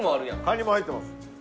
カニも入ってます。